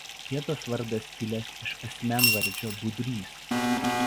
Vietos vardas kilęs iš asmenvardžio "Budrys".